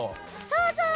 そうそう！